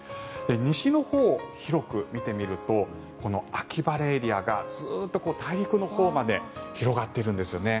西のほう、広く見てみるとこの秋晴れエリアがずっと大陸のほうまで広がっているんですよね。